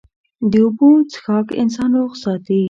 د اوبو څښاک انسان روغ ساتي.